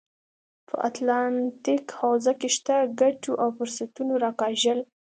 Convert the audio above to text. په اتلانتیک حوزه کې شته ګټو او فرصتونو راکاږل.